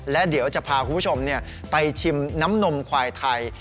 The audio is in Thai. และเดี๋ยวจะพาคุณผู้ชมไปชิมน้ำนมควายไทย